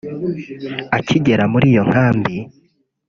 Akigera muri iyo nkambi